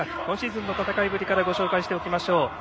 今シーズンの戦いぶりからご紹介してまいりましょう。